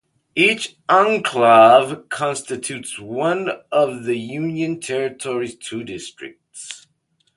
Each enclave constitutes one of the union territory's two districts.